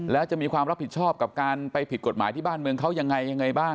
และจะมีความรับผิดชอบกับการไปผิดกฎหมายที่บ้านเค้ายังไงกี่ที